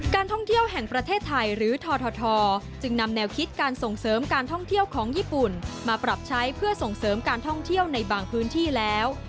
การท่องเที่ยวแห่งประเทศไทยหรือททจึงนำแนวคิดการส่งเสริมการท่องเที่ยวของญี่ปุ่นมาปรับใช้เพื่อส่งเสริมการท่องเที่ยวในบางพื้นที่แล้ว